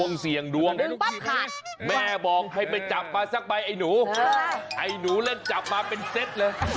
นี่เสียงดวงดึงปั๊บขาด